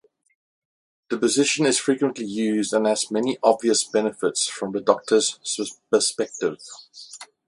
The position is frequently used and has many obvious benefits from the doctor's perspective.